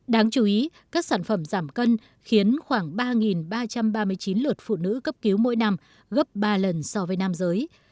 đáng chú ý các sản phẩm giảm cân khiến khoảng ba ba trăm ba mươi chín lượt phụ nữ cấp cứu mỗi năm gấp ba lần so với nam giới